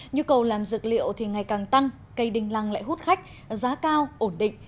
nhu cầu làm dược liệu thì ngày càng tăng cây đinh lăng lại hút khách giá cao ổn định